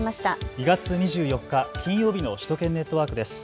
２月２４日、金曜日の首都圏ネットワークです。